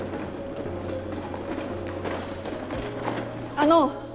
あの。